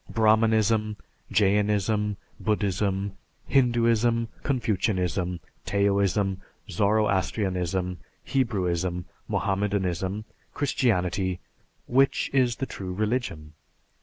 Brahmanism, Jainism, Buddhism, Hinduism, Confucianism, Taoism, Zoroastrianism, Hebrewism, Mohammedanism, Christianity which is the true religion?